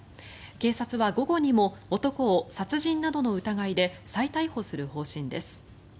警察は午後にも男を殺人などの疑いで再逮捕する方針です。